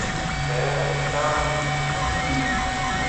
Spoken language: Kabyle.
Sεiɣ agiṭar n trisiti.